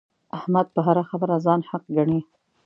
احمد په هره خبره ځان حق ګڼي.